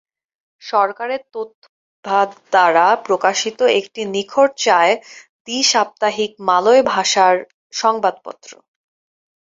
সরকারের তথ্য বিভাগ দ্বারা প্রকাশিত একটি নিখরচায় দ্বি-সাপ্তাহিক মালয় ভাষার সংবাদপত্র।